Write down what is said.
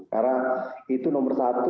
karena itu nomor satu